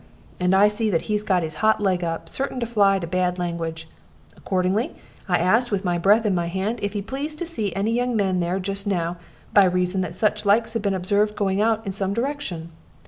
And I see that he got his hot leg up, certain to fly to bad language. According, I asked, with my breath in my hand, if he pleased to see any young man there just now, by reason that such likes had been observated going out in some direction.